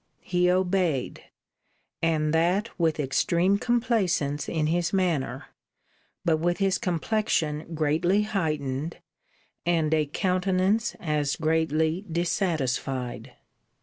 He obeyed; and that with extreme complaisance in his manner, but with his complexion greatly heightened, and a countenance as greatly dissatisfied.